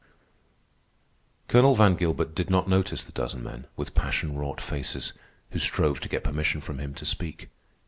Colonel Van Gilbert did not notice the dozen men, with passion wrought faces, who strove to get permission from him to speak.